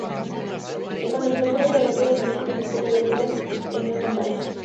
En cuanto a deportes de aventura, el municipio dispone de rutas en Mountain-bike.